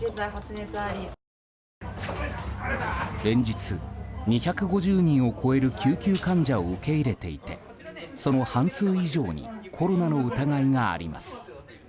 連日２５０人を超える救急患者を受け入れていてその半数以上にコロナの疑いがあります。